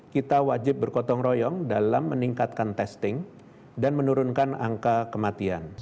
kita wajib bergotong royong dalam meningkatkan testing dan menurunkan angka kematian